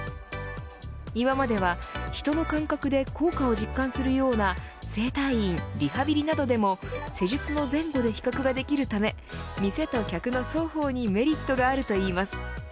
今までは人の感覚で効果を実感するような整体院、リハビリなどでも施術の前後で比較ができるため店と客の双方にメリットがあるといいます。